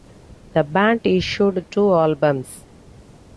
The band issued two albums.